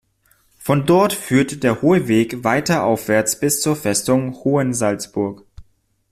Von dort führt der Hohe Weg weiter aufwärts bis zur Festung Hohensalzburg.